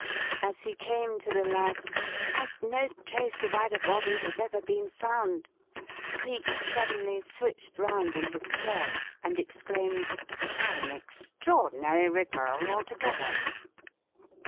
As he came to the last "And no trace of either body has ever been found," Cleek suddenly switched round in his chair and exclaimed: "An extraordinary rigmarole altogether!"